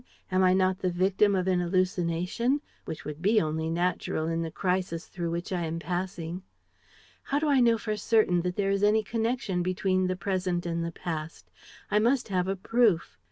Am I not the victim of an hallucination, which would be only natural in the crisis through which I am passing? How do I know for certain that there is any connection between the present and the past? I must have a proof."